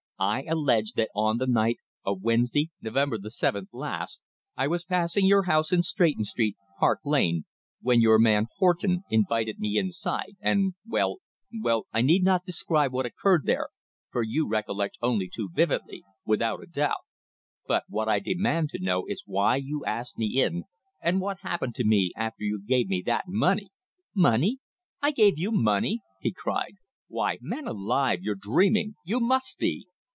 "I allege that on the night of Wednesday, November the seventh last, I was passing your house in Stretton Street, Park Lane, when your man, Horton, invited me inside, and well, well I need not describe what occurred there, for you recollect only too vividly without a doubt. But what I demand to know is why you asked me in, and what happened to me after you gave me that money?" "Money! I gave you money?" he cried. "Why, man alive, you're dreaming! _You must be!